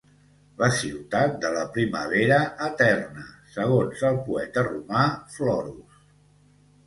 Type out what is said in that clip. La ciutat de la primavera eterna, segons el poeta romà Florus.